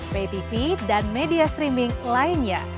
btv dan media streaming lainnya